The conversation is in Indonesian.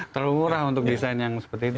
terlalu murah untuk desain yang seperti itu